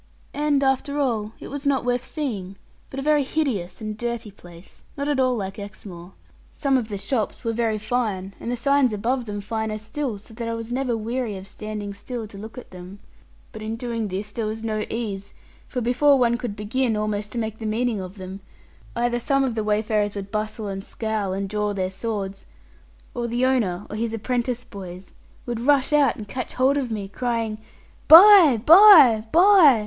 And after all, it was not worth seeing, but a very hideous and dirty place, not at all like Exmoor. Some of the shops were very fine, and the signs above them finer still, so that I was never weary of standing still to look at them. But in doing this there was no ease; for before one could begin almost to make out the meaning of them, either some of the wayfarers would bustle and scowl, and draw their swords, or the owner, or his apprentice boys, would rush out and catch hold of me, crying, 'Buy, buy, buy!